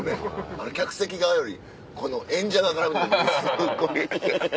あれ客席側よりこの演者側から見てすっごい。